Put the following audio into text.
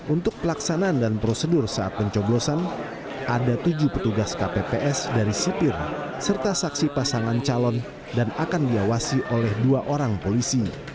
untuk pelaksanaan dan prosedur saat pencoblosan ada tujuh petugas kpps dari sipir serta saksi pasangan calon dan akan diawasi oleh dua orang polisi